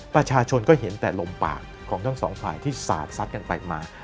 ประชาชนก็เห็นแต่ลมปากของทั้งสองฝ่ายที่สาดซัดกันไปมา